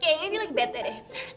kayaknya ini lagi bete deh